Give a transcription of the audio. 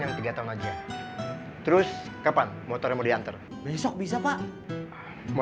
yang warna merah ident kan